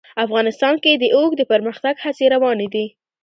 افغانستان کې د اوښ د پرمختګ هڅې روانې دي.